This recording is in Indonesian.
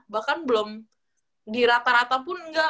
bahkan belum di rata rata pun nggak